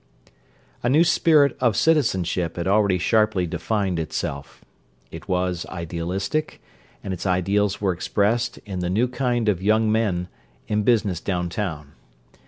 A new spirit of citizenship had already sharply defined itself. It was idealistic, and its ideals were expressed in the new kind of young men in business downtown.